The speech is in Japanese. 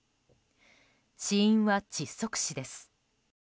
死因は窒息死です。